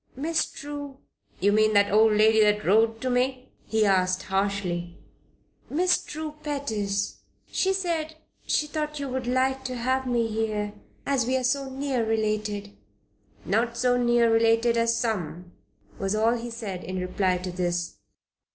"Miss True " "You mean that old maid that wrote to me?" he asked, harshly. "Miss True Pettis. She said she thought you would like to have me here as we were so near related." "Not so near related as some," was all he said in reply to this.